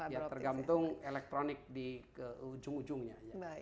ya tergantung elektronik di ujung ujungnya